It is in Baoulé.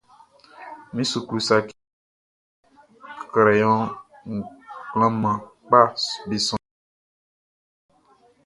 Min suklu saciʼn nunʼn, crayon klanman kpaʼm be sɔnnin.